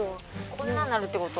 こんなになるってこと？